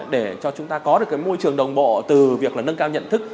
để cho chúng ta có được cái môi trường đồng bộ từ việc là nâng cao nhận thức